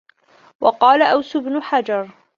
وَقَالَ أَوْسُ بْنُ حَجَرٍ